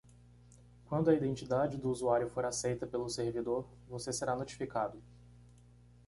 Quando a identidade do usuário for aceita pelo servidor?, você será notificado.